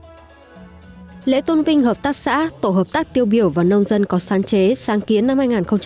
qua một mươi ba tháng một mươi một đã diễn ra lễ tôn vinh hợp tác xã tổ hợp tác tiêu biểu và nông dân có sáng chế sáng kiến năm hai nghìn một mươi sáu